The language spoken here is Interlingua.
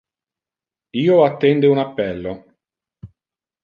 io attende un appello.